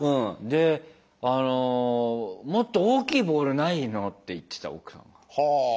であの「もっと大きいボールないの？」って言ってた奥さんが。は！